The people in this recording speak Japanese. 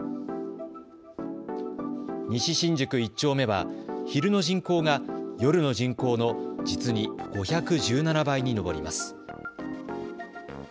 西新宿１丁目は昼の人口が夜の人口の実に５１７倍に上ります。